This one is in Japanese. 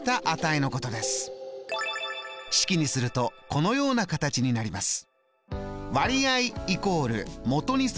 式にするとこのような形になります。